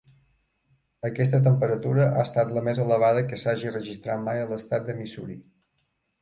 Aquesta temperatura ha estat la més elevada que s'hagi registrat mai a l'estat de Missouri.